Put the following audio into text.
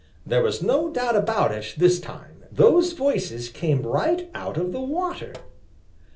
There was no doubt about it this time; those voices came right out of the water.